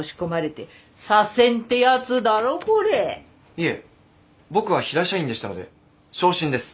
いえ僕は平社員でしたので昇進です。